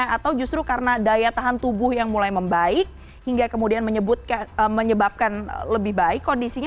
atau justru karena daya tahan tubuh yang mulai membaik hingga kemudian menyebabkan lebih baik kondisinya